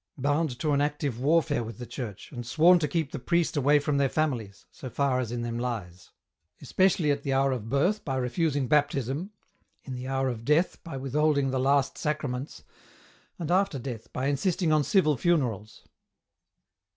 bound to an active warfare with the Church, and sworn to keep the priest away from their families, so far as in them lies ; especially at the hour of birth, by refusing baptism ; in the hour of death, by withholding the last sacraments ; and after death, by insisting on civil funerals.